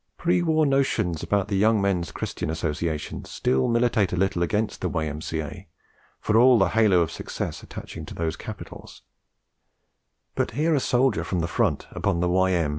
Pre war notions about the Young Men's Christian Association still militate a little against the Y.M.C.A. for all the halo of success attaching to those capitals; but hear a soldier from the front upon the 'Y.M.'